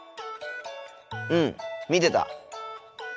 うん見てた。